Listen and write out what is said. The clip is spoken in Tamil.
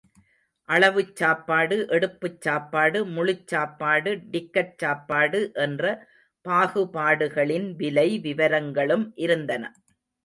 அளவுச் சாப்பாடு, எடுப்புச் சாப்பாடு, முழுச் சாப்பாடு, டிக்கட் சாப்பாடு என்ற பாகுபாடுகளின் விலை விவரங்களும் இருந்தன.